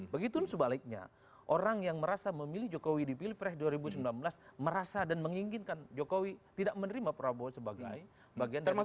begitu sebaliknya orang yang merasa memilih jokowi di pilpres dua ribu sembilan belas merasa dan menginginkan jokowi tidak menerima prabowo sebagai bagian dari partai politik